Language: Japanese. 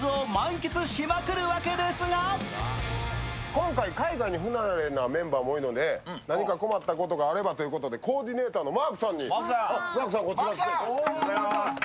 今回、海外に不慣れなメンバーも多いので何か困ったことがあればということで、コーディネーターのマークさんに。